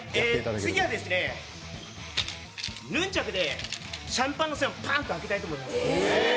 次は、ヌンチャクでシャンパンの栓をパンと開けたいと思います。